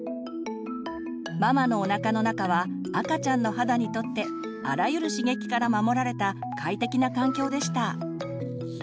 ママのおなかの中は赤ちゃんの肌にとってあらゆる刺激から守られた快適な環境でした。